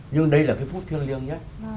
nhưng đây là cái phút thiêng liêng nhất